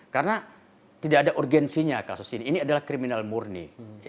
karena tidak ada urgensinya kasus ini ini adalah kriminal murni